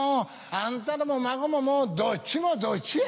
あんたも孫ももうどっちもどっちや」